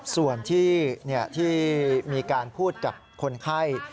ส่วนที่มีการพูดกับคนไข้